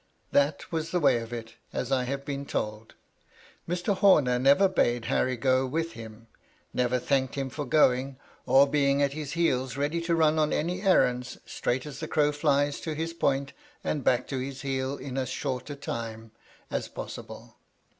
That was the way of it, as I have been told. Mr. Homer never bade Harry go with him ; never thanked him for going, or being at his heels ready to run on any errands, straight as the crows flies to his point, and back to heel in as short a time as possible.